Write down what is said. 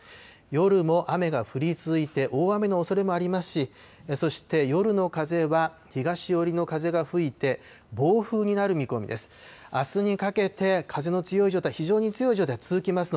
夜も雨が降り続いて、大雨のおそれもありますし、そして夜の風は東寄りの風が吹いて、暴風になる見込みです。